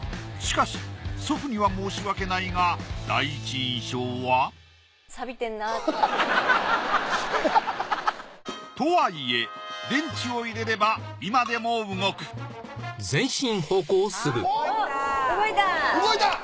しかし祖父には申し訳ないが第一印象はとはいえ電池を入れれば今でも動くあ動いた。